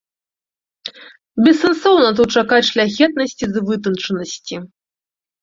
Бессэнсоўна тут чакаць шляхетнасці ды вытанчанасці.